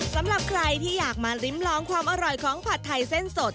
สำหรับใครที่อยากมาริมลองความอร่อยของผัดไทยเส้นสด